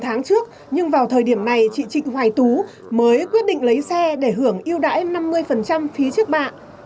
sáu tháng trước nhưng vào thời điểm này chị trịnh hoài tú mới quyết định lấy xe để hưởng yêu đãi năm mươi phí trước bạ